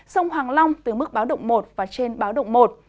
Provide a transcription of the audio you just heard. sông hoàng long từ mức báo động một và trên báo động một